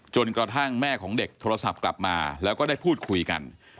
กระทั่งแม่ของเด็กโทรศัพท์กลับมาแล้วก็ได้พูดคุยกัน